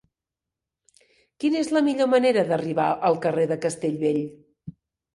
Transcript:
Quina és la millor manera d'arribar al carrer de Castellbell?